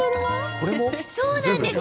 そうなんです。